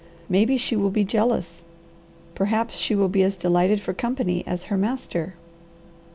Maybe she will be jealous, perhaps she will be as delighted for company as her master.